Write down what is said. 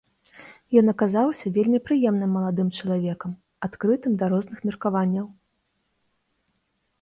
Ён аказаўся вельмі прыемным маладым чалавекам, адкрытым да розных меркаванняў.